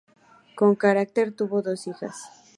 Con Carter tuvo dos hijas.